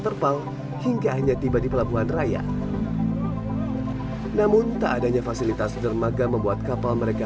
terpal hingga hanya tiba di pelabuhan raya namun tak adanya fasilitas dermaga membuat kapal mereka